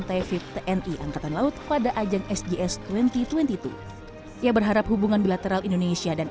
tefit tni angkatan laut pada ajang sjs dua ribu dua puluh dua ia berharap hubungan bilateral indonesia dan